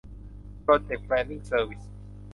โปรเจค แพลนนิ่ง เซอร์วิส